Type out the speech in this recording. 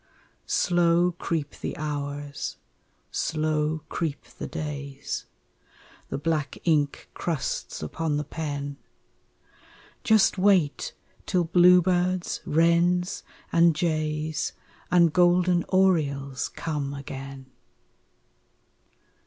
Slow creep the hours, slow creep the days, The black ink crusts upon the pen Just wait till bluebirds, wrens, and jays And golden orioles come again!